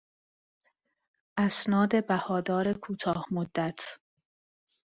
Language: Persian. اسناد بهادار کوتاه مدت